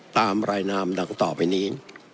ตามรายนามดังต่อไปนี้